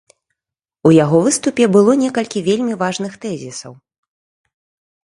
У яго выступе было некалькі вельмі важных тэзісаў.